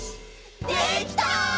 「できた！」